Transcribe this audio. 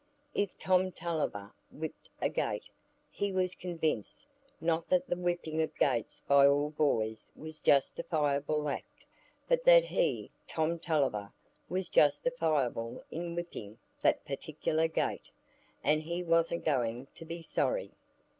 If Tom Tulliver whipped a gate, he was convinced, not that the whipping of gates by all boys was a justifiable act, but that he, Tom Tulliver, was justifiable in whipping that particular gate, and he wasn't going to be sorry.